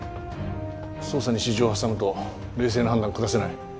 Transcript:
捜査に私情を挟むと冷静な判断を下せない。